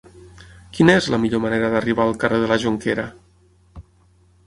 Quina és la millor manera d'arribar al carrer de la Jonquera?